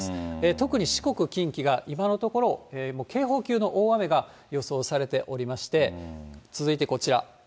特に四国、近畿が今のところ、もう警報級の大雨が予想されておりまして、続いてこちら。